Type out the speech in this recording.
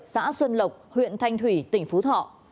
xã xuân lộc huyện thanh thủy tỉnh phú thọ